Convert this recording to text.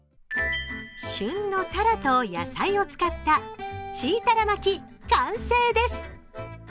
旬のタラと野菜を使ったチータラ巻き、完成です。